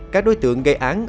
các đối tượng gây án